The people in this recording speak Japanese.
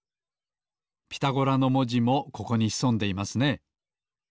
「ピタゴラ」のもじもここにひそんでいますね。